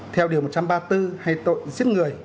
theo điều một trăm ba mươi bốn hay tội giết người